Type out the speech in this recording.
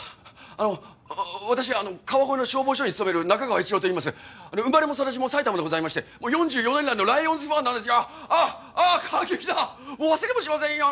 あの私あの川越の消防署に勤める仲川市郎といいます生まれも育ちも埼玉でございまして４４年来のライオンズファンなんですがあっあっ感激だ忘れもしませんよ